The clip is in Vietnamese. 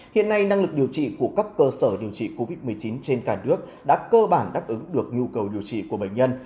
hiện nay năng lực điều trị của các cơ sở điều trị covid một mươi chín trên cả nước đã cơ bản đáp ứng được nhu cầu điều trị của bệnh nhân